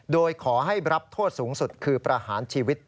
โดยขอให้รับโทษสูงสุดคือประหารชีวิต